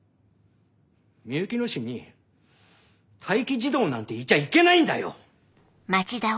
みゆきの市に待機児童なんていちゃいけないんだよ！